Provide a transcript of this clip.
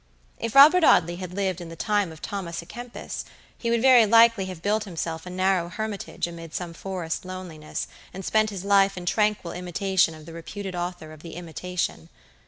If Robert Audley had lived in the time of Thomas à Kempis, he would very likely have built himself a narrow hermitage amid some forest loneliness, and spent his life in tranquil imitation of the reputed author of The Imitation.